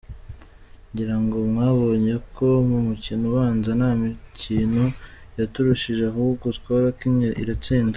Ngira ngo mwabonye ko mu mukino ubanza nta kintu yaturushije ahubwo twarakinnye iratsinda.